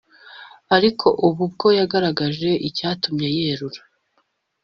ariko ubu bwo yagaragaje icyatumye yerura